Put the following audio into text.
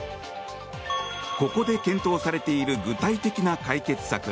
ここで検討されている具体的な解決策。